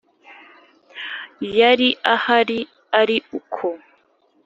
yari ahari ari uko